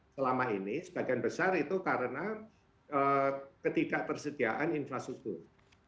selama ini sebagian besar itu karena ketidakpersediaan infrastruktur